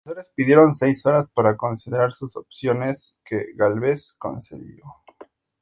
Los defensores pidieron seis horas para considerar sus opciones, que Gálvez concedió.